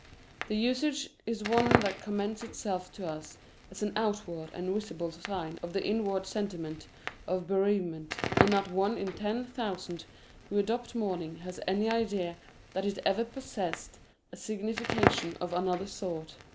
The usage is one that commends itself to us as an outward and visible sign of the inward sentiment of bereavement, and not one in ten thousand who adopt mourning has any idea that it ever possessed a signification of another sort.